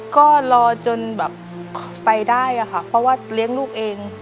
ก็รอจนแบบไปได้อะค่ะเพราะว่าเลี้ยงลูกเอง